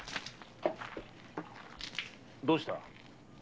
どうした？